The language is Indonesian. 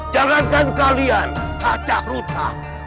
jangan kalian cacah ruta